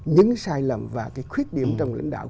những sai lầm và cái khuyết điểm trong lãnh đạo